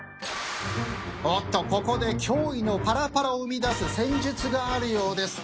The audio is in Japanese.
おっとここで脅威のパラパラを生み出す戦術があるようです。